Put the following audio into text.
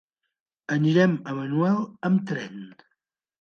Anirem a Manuel amb tren.